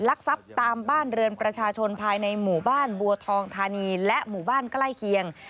ลักทรัพย์ตามบ้านเรือนประชาชนภายในหมู่บ้านบัวทองธานีและหมู่บ้านใกล้เคียง